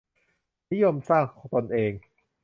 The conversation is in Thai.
นิคมสร้างตนเอง